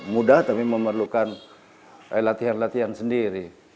mudah tapi memerlukan latihan latihan sendiri